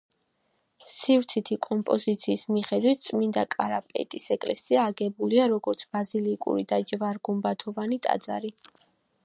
სივრცითი კომპოზიციის მიხედვით წმინდა კარაპეტის ეკლესია აგებულია, როგორც ბაზილიკური და ჯვარ-გუმბათოვანი ტაძარი.